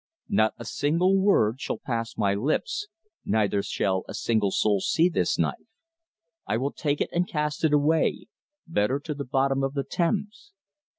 "Not a single word shall pass my lips, neither shall a single soul see this knife. I will take it and cast it away better to the bottom of the Thames.